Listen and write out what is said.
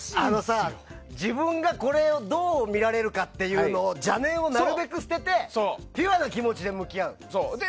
自分がこれでどう見られるかっていうのを邪念をなるべく捨ててピュアな気持ちで向き合うと。